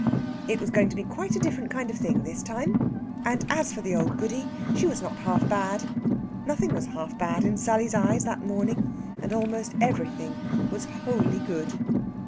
It was going to be quite a different kind of thing this time. And as for the old Goody, she was not half bad. Nothing was half bad in Sally's eyes that morning, and almost everything was wholly good.